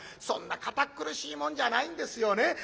そんな堅っ苦しいもんじゃないんですよね。